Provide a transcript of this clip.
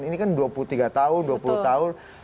ini kan dua puluh tiga tahun dua puluh tahun